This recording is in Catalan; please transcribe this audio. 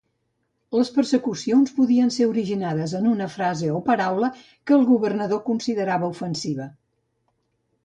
Les persecucions podien ser originades en una frase o paraula que el governador considerava ofensiva.